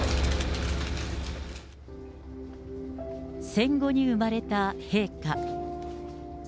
戦後に生まれた陛下。